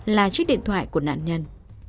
là chiếc điện thoại của nạn nhân